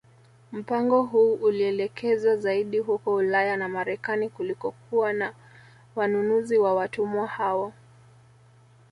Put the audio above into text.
Mpango huu ulielekezwa zaidi huko Ulaya na Marekani kulikokuwa na wanunuzi wa watumwa hao